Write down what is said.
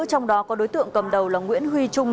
trong đó có đối tượng cầm đầu là nguyễn huy trung